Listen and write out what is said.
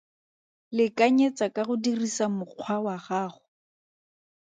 Lekanyetsa ka go dirisa mokgwa wa gago.